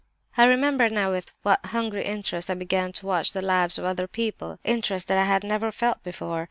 "I remember now with what hungry interest I began to watch the lives of other people—interest that I had never felt before!